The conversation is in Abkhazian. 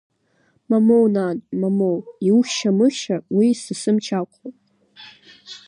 Мамоу, нан, мамоу, иухьша-мыхьша, уи са сымч ақәхоит.